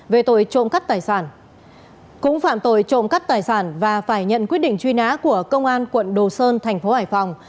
về tội trộm cắt tài sản cũng phạm tội trộm cắt tài sản và phải nhận quyết định truy nã của công an quận đồ sơn thành phố hải phòng